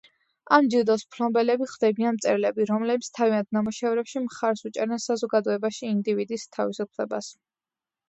ამ ჯილდოს მფლობელები ხდებიან მწერლები, რომლებიც თავიანთ ნამუშევრებში მხარს უჭერენ საზოგადოებაში ინდივიდის თავისუფლებას.